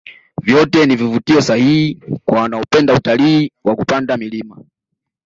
vyote ni vivutio sahihi kwa wanaopenda utalii wa kupanda milima